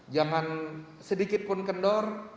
jangan sedikitpun kendor